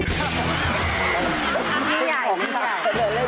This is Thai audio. เล่นของใหญ่